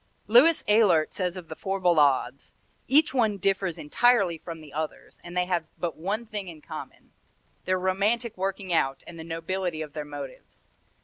Louis Ehlert says of the four Ballades: "Each one differs entirely from the others, and they have but one thing in common their romantic working out and the nobility of their motives.